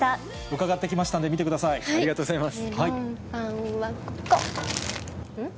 伺ってきましたんで、見てくありがとうございます。